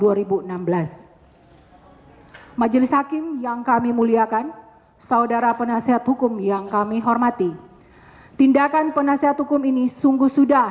hai majelis hakim yang kami muliakan saudara penasehat hukum yang kami hormati tindakan penasehat